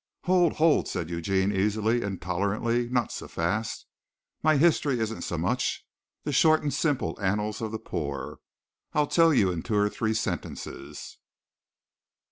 "Hold! Hold!" said Eugene easily and tolerantly. "Not so fast. My history isn't so much. The short and simple annals of the poor. I'll tell you in two or three sentences."